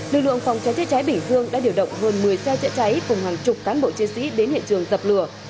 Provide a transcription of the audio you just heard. lực lượng phòng cháy chữa cháy bình dương đã điều động hơn một mươi xe chữa cháy cùng hàng chục cán bộ chiến sĩ đến hiện trường dập lửa